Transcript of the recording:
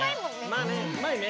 まあねうまいね。